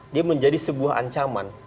dia menjadi sebuah ancaman